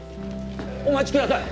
お待ちください！